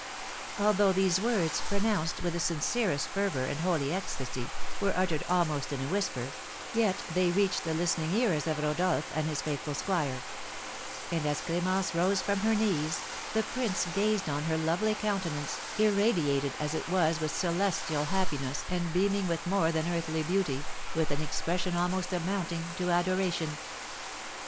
Although these words, pronounced with the sincerest fervour and holy ecstasy, were uttered almost in a whisper, yet they reached the listening ears of Rodolph and his faithful squire; and as Clémence rose from her knees, the prince gazed on her lovely countenance, irradiated as it was with celestial happiness and beaming with more than earthly beauty, with an expression almost amounting to adoration.